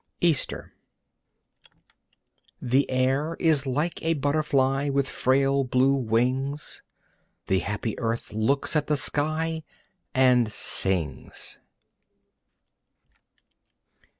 Easter The air is like a butterfly With frail blue wings. The happy earth looks at the sky And sings.